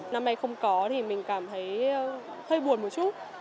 năm nay không có thì mình cảm thấy hơi buồn một chút